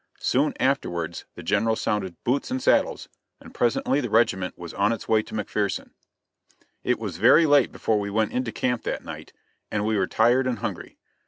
Soon afterwards the General sounded "boots and saddles," and presently the regiment was on its way to McPherson. It was very late before we went into camp that night, and we were tired and hungry.